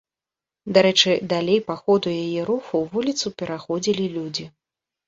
Дарэчы, далей па ходу яе руху вуліцу пераходзілі людзі.